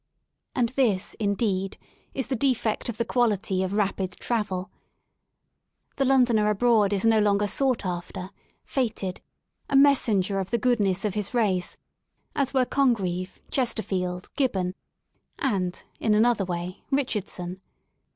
And this, indeed, is the defect of the quality" of rapid travel. The Londoner abroad is no longer sought after, feted, a messenger of the goodness of his race, as were Congreve, Chesterfield, Gibbon, and, in another way, Richardson.